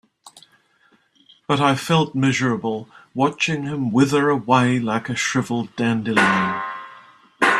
But I felt miserable watching him wither away like a shriveled dandelion.